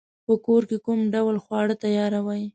په کور کی کوم ډول خواړه تیاروئ؟